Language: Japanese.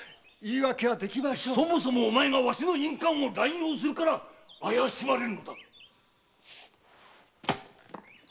そもそもお前がわしの印鑑を乱用するから怪しまれるのだ。